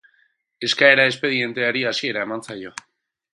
Eskaera espedienteari hasiera eman zaio.